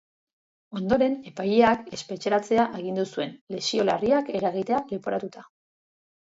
Ondoren, epaileak espetxeratzea agindu zuen, lesio larriak eragitea leporatuta.